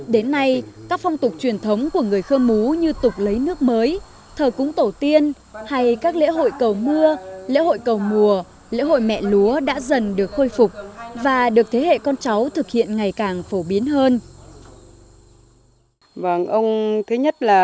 đến nay các phong tục truyền thống của người khơ mú như tục lấy nước mới thờ cúng tổ tiên hay các lễ hội cầu mưa lễ hội cầu mùa lễ hội mẹ lúa đã dần được khôi phục và được thế hệ con cháu thực hiện ngày càng phổ biến hơn